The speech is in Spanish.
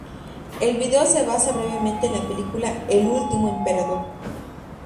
El vídeo se basa brevemente en la película "El Último Emperador".